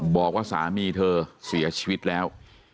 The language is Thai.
บอกว่าสามีเธอเสียชีวิตแล้ว